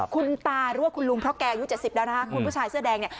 คุณตารั่วคุณลุงเพราะแกอายุ๗๐แล้วคุณผู้ชายเสื้อแดง